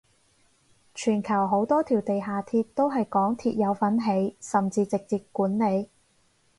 全球好多條地下鐵都係港鐵有份起甚至直接管理